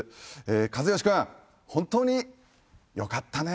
一義君本当によかったね。